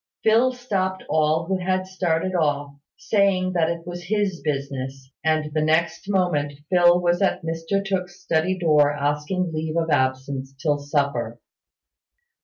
Phil stopped all who had started off, saying that it was his business; and the next moment, Phil was at Mr Tooke's study door, asking leave of absence till supper.